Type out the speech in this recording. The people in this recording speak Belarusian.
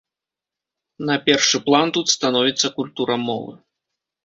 На першы план тут становіцца культура мовы.